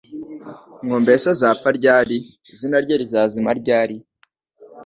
ngo Mbese azapfa ryari? Izina rye rizazima ryari?»